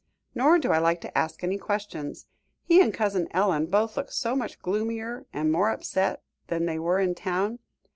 Nor do I like to ask any questions. He and Cousin Ellen both look so much gloomier and more upset than they were in town.